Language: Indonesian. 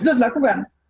itu harus dilakukan